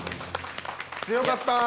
強かった。